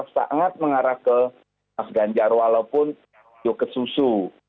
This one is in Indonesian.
sangat mengarah ke mas ganjar walaupun jokes susu